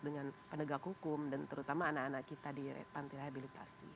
dengan penegak hukum dan terutama anak anak kita di panti rehabilitasi